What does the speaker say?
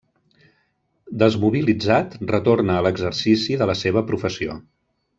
Desmobilitzat, retorna a l'exercici de la seva professió.